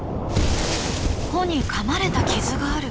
帆にかまれた傷がある。